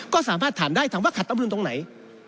ก็สามารถถามได้ถามว่าขัดตำรุนตรงไหน